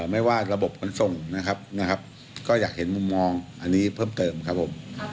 ไม่ว่าระบบขนส่งนะครับก็อยากเห็นมุมมองอันนี้เพิ่มเติมครับผม